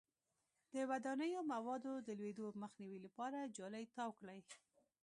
د ودانیزو موادو د لویدو مخنیوي لپاره جالۍ تاو کړئ.